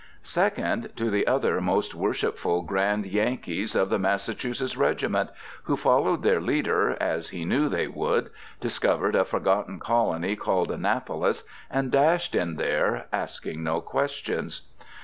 2d, To the other Most Worshipful Grand Yankees of the Massachusetts regiment who followed their leader, as he knew they would, discovered a forgotten colony called Annapolis, and dashed in there, asking no questions.